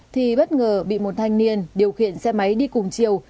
thì bất ngờ bị một thanh niên điều khiển xe máy đi cùng chiều